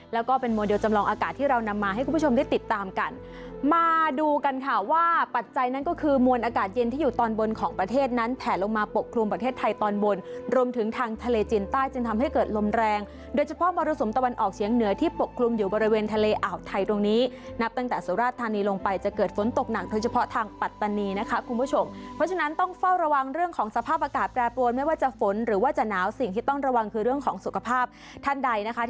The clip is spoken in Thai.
แล้วก็เป็นโมเดลจำลองอากาศที่เรานำมาให้คุณผู้ชมได้ติดตามกันมาดูกันค่ะว่าปัจจัยนั้นก็คือมวลอากาศเย็นที่อยู่ตอนบนของประเทศนั้นแผ่ลงมาปกครุมประเทศไทยตอนบนรวมถึงทางทะเลจินใต้จึงทำให้เกิดลมแรงโดยเฉพาะมรสมตะวันออกเฉียงเหนือที่ปกครุมอยู่บริเวณทะเลอาทไทยตรงนี้นับตั้ง